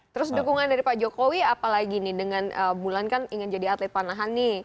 terus dukungan dari pak jokowi apalagi nih dengan bulan kan ingin jadi atlet panahan nih